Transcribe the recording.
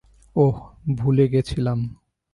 ওহ, ভুলে গেছিলাম।